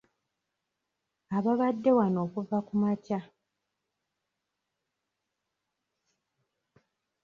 Ababadde wano okuva kumakya.